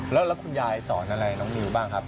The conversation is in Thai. แล้วคุณยายสอนอะไรน้องนิวบ้างครับ